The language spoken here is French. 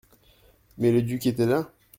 Mais le duc était là ?